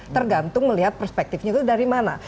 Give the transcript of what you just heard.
tergantung melihat perspektifnya itu dari mana